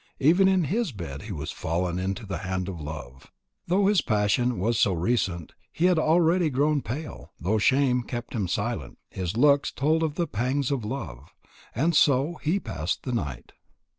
Even in his bed he was fallen into the hand of Love. Though his passion was so recent, he had already grown pale. Though shame kept him silent, his looks told of the pangs of love. And so he passed the night.